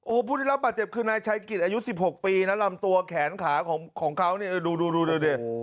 โอ้พูดที่รับปาเจ็บคือนายชายกิจอายุสิบหกปีนั้นรำตัวแขนขาของของเขานี่ดูดูดูดูเดี๋ยว